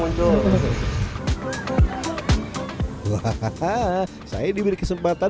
wah saya diberi kesempatan